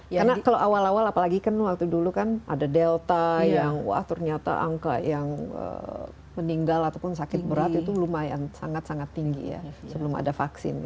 karena kalau awal awal apalagi kan waktu dulu kan ada delta yang wah ternyata angka yang meninggal ataupun sakit berat itu lumayan sangat sangat tinggi ya sebelum ada vaksin